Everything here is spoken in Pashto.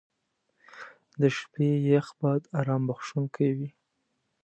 • د شپې یخ باد ارام بخښونکی وي.